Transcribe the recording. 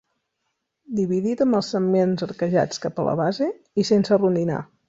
Dividit amb els segments arquejats cap a la base, i sense rondinar.